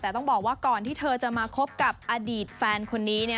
แต่ต้องบอกว่าก่อนที่เธอจะมาคบกับอดีตแฟนคนนี้